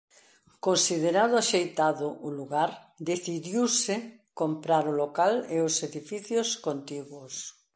Considerado axeitado o lugar decidiuse comprar o local e os edificios contiguos.